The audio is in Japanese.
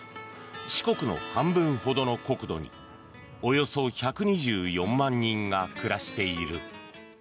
四国の半分ほどの国土におよそ１２４万人が暮らしている。